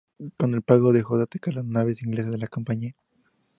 Con el pago, dejó de atacar las naves inglesas de la Compañía.